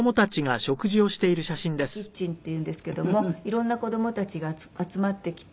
子ども食堂しもきたキッチンっていうんですけども色んな子供たちが集まってきて。